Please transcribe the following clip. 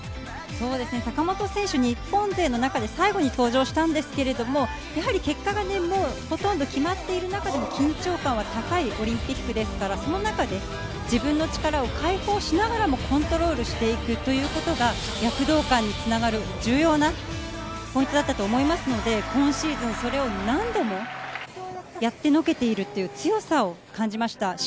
坂本選手、日本勢の中で最後に登場したんですけれども、やはり、結果がもうほとんど決まっている中で緊張感が高いオリンピックですから、その中で自分の力を解放しながらもコントロールしていくということが躍動感に繋がる重要なポイントだったと思いますので、今シーズン、それを何度もやってのけているという強さを感じました。